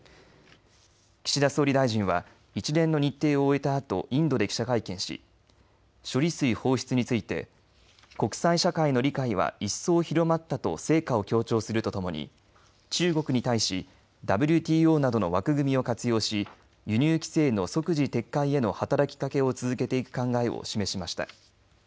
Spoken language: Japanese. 岸田総理大臣は一連の日程を終えたあとインドで記者会見し処理水放出について国際社会の理解は一層広まったと成果を強調するとともに中国に対しＷＴＯなどの枠組みを活用し輸入規制の即時撤回への働きかけを続けていく考えを示しました。